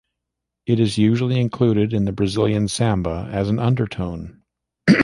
It is usually included in the Brazilian Samba as an undertone.